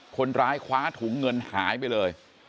คนร้ายคว้าถุงเงินหายไปเลย